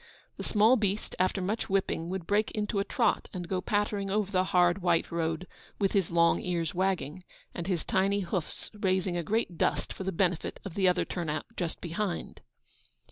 The small beast, after much whipping, would break into a trot, and go pattering over the hard, white road, with his long ears wagging, and his tiny hoofs raising a great dust for the benefit of the other turnout just behind.